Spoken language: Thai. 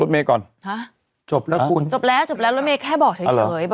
มีทางวินัยด้วย